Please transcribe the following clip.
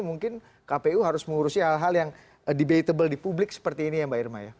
mungkin kpu harus mengurusi hal hal yang debatable di publik seperti ini ya mbak irma ya